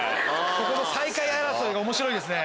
ここの最下位争いが面白いですね。